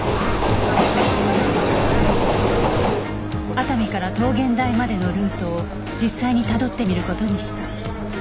熱海から桃源台までのルートを実際にたどってみる事にした